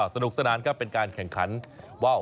สนุกสนานครับเป็นการแข่งขันว่าว